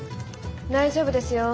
大丈夫ですよ。